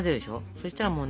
そしたらもうね。